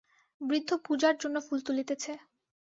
বৃদ্ধ পূজার জন্য ফুল তুলিতেছে।